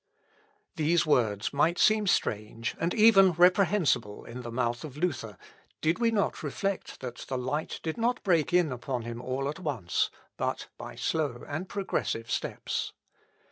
These words might seem strange and even reprehensible in the mouth of Luther, did we not reflect that the light did not break in upon him all at once, but by slow and progressive steps.